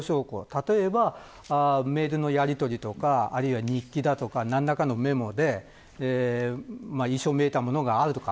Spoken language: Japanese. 例えば、メールのやりとりとかあるいは日記とか何らかのメモで遺書めいたものがあるとか。